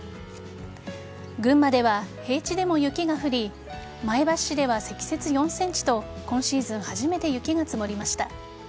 群馬では平地でも雪が降り前橋市では、積雪４ｃｍと今シーズン初めて雪が積もりました。